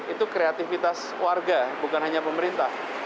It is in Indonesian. itu kreativitas warga bukan hanya pemerintah